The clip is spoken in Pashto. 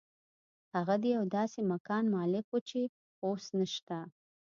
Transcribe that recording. هغه د یو داسې مکان مالک و چې اوس نشته